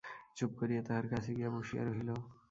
চুপ করিয়া তাঁহার কাছে গিয়া বসিয়া রহিল।